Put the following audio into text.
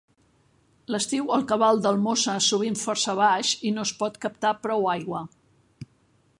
L'estiu el cabal del Mosa sovint força baix i no es pot captar prou aigua.